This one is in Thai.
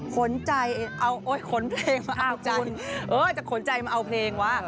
ขนใจเอาโอ๊ยขนเพลงมาเอาเพลงเออจะขนใจมาเอาเพลงวะ